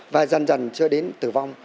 và dần dần cho đến tử vong